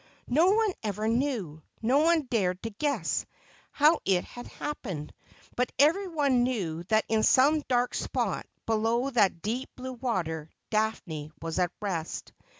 No one ever knew, no one dared to guess, how it had happened : but every one knew that in some dark spot below that deep blue water Daphne was at rest.